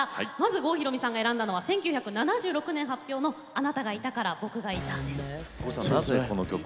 郷ひろみさんは１９７６年発表の「あなたがいたから僕がいた」です。